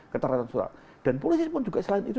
keteraturan sosial dan polisi pun juga selain itu